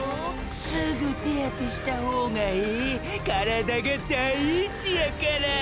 すぐ手当てした方がエエ体が第一やからァ！！